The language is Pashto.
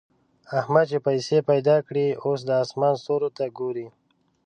احمد چې پيسې پیدا کړې؛ اوس د اسمان ستورو ته ګوري.